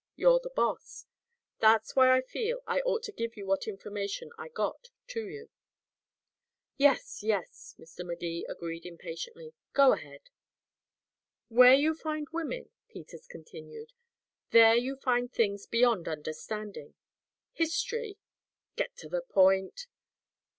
You're the boss. That's why I feel I ought to give what information I got to you." "Yes, yes," Mr. Magee agreed impatiently. "Go ahead." "Where you find women," Peters continued, "there you find things beyond understanding. History " "Get to the point."